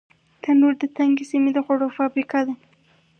تنور د تنګې سیمې د خوړو فابریکه ده